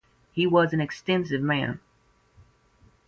He was an extensive man